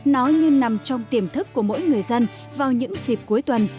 nó như nằm trong tiềm thức của mỗi người dân vào những dịp cuối tuần